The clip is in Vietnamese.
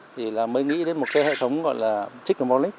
thì là mới nghĩ đến một cái hệ thống gọi là trích carbonic